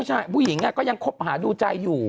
ผู้หญิงก็ยังคบหาดูใจอยู่